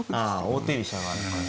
王手飛車があるから。